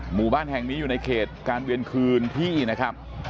หมู่บ้านแห่งนี้อยู่ในเขตการเวียนคืนที่นะครับ